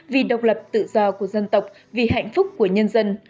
vì độc lập tự do của dân tộc vì hạnh phúc của nhân dân